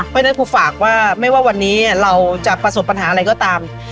เพราะฉะนั้นกูฝากว่าไม่ว่าวันนี้เราจะประสบปัญหาอะไรก็ตาม